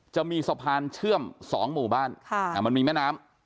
จะมีสะพานเชื่อม๒หมู่บ้านมันมีแม่น้ำ